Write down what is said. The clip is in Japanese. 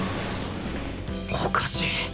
おかしい